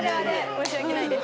申し訳ないです。